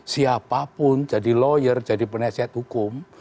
siapapun jadi lawyer jadi penasihat hukum